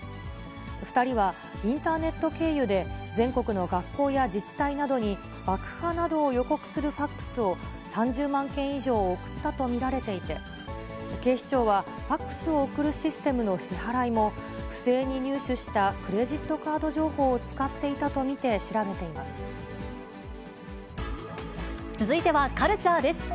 ２人は、インターネット経由で全国の学校や自治体などに、爆破などを予告するファックスを３０万件以上送ったと見られていて、警視庁は、ファックスを送るシステムの支払いも、不正に入手したクレジットカード情報を使っていたと見て調べてい続いてはカルチャーです。